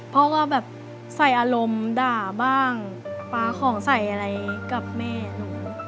เพราะว่าแบบใส่อารมณ์ด่าบ้างปลาของใส่อะไรกับแม่หนู